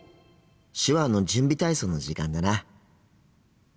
手話の準備体操の時間だな。